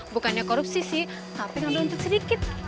bukannya korupsi sih tapi enggak ada untuk sedikit